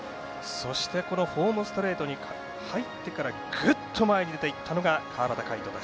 そしてホームストレートに入ってからぐっと前に出ていったのが川端魁人。